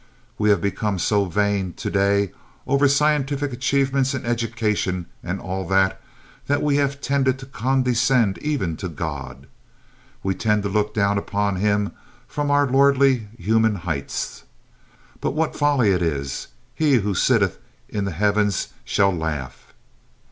We have become so vain to day over scientific achievements and education and all that, that we have tended to condescend even to God. We tend to look down upon Him from our lordly human heights. But what folly it is! He who sitteth in the heavens shall laugh!